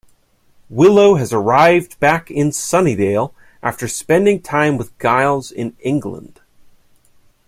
Willow has arrived back in Sunnydale after spending time with Giles in England.